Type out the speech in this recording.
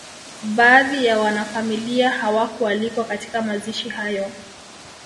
Baadhi ya wanafamilia hawakualikwa katika mazishi hayo